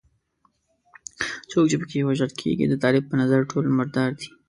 څوک چې په کې وژل کېږي د طالب په نظر ټول مردار دي.